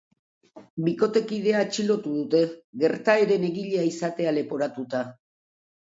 Bikotekidea atxilotu dute, gertaeren egilea izatea leporatuta.